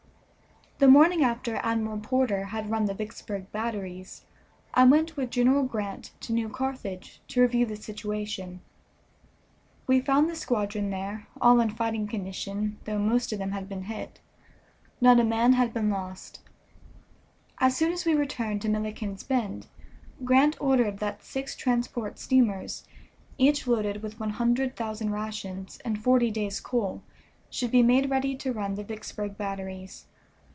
The morning after Admiral Porter had run the Vicksburg batteries I went with General Grant to New Carthage to review the situation. We found the squadron there, all in fighting condition, though most of them had been hit. Not a man had been lost. As soon as we returned to Milliken's Bend Grant ordered that six transport steamers, each loaded with one hundred thousand rations and forty days' coal, should be made ready to run the Vicksburg batteries.